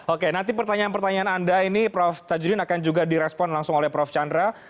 oke nanti pertanyaan pertanyaan anda ini prof tajudin akan juga direspon langsung oleh prof chandra